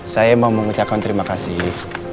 saya mau mengucapkan terima kasih